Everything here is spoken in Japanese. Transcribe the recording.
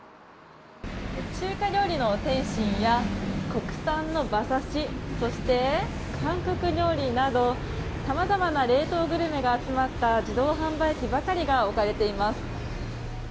中華料理の天津や国産の馬刺しそして韓国料理などさまざまな冷凍グルメが集まった自動販売機ばかりが置かれています。